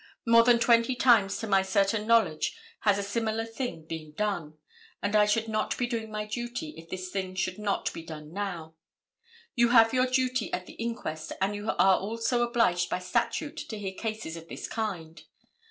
More than twenty times to my certain knowledge, has a similar thing been done, and I should not be doing my duty if this thing should not be done now. You have your duty at the inquest and you are also obliged by statute to hear cases of this kind.